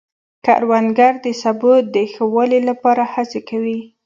کروندګر د سبو د ښه والي لپاره هڅې کوي